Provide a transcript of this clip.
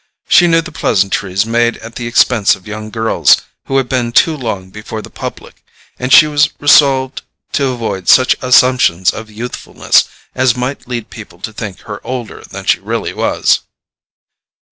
She knew the pleasantries made at the expense of young girls who have been too long before the public, and she was resolved to avoid such assumptions of youthfulness as might lead people to think her older than she really was.